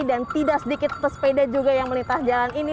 tidak sedikit pesepeda juga yang melintas jalan ini